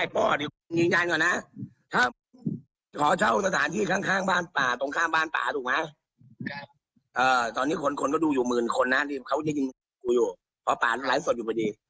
เพราะป่านั้นไลฟ์สดอยู่ไปดี